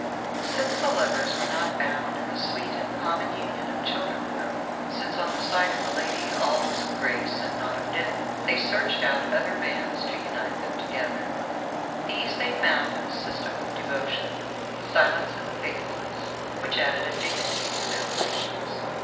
Since the lovers were not bound in the sweet and common union of children and home, since on the side of the lady all was of grace and nought of debt, they searched out other bands to unite them together. These they found in a system of devotion, silence and faithfulness, which added a dignity to their relations.